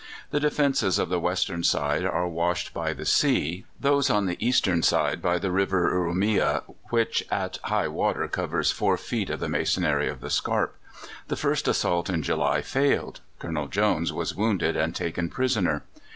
The defences of the western side are washed by the sea, those on the eastern side by the river Urumea, which at high water covers 4 feet of the masonry of the scarp. The first assault in July failed. Colonel Jones was wounded and taken prisoner.